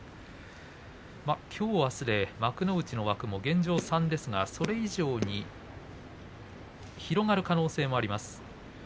きょう、あすで幕内の枠、現状は３ですがそれ以上に広がる可能性もあります。